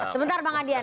sebentar bang adian